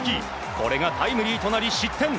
これがタイムリーとなり失点。